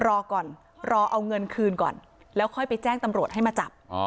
รอก่อนรอเอาเงินคืนก่อนแล้วค่อยไปแจ้งตำรวจให้มาจับ